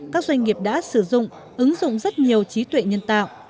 các doanh nghiệp đã sử dụng ứng dụng rất nhiều trí tuệ nhân tạo